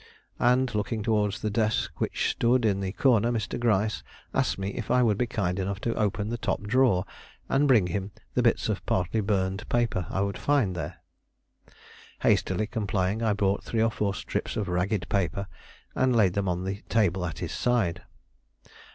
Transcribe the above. And, looking towards the desk which stood in the corner, Mr. Gryce asked me if I would be kind enough to open the top drawer and bring him the bits of partly burned paper I would find there. Hastily complying, I brought three or four strips of ragged paper, and laid them on the table at his side.